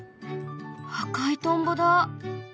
赤いトンボだ。